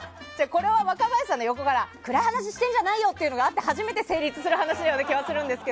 これは若林さんが横から暗い話してんじゃないよ！という話があって、初めて成立する話のような気もしますが。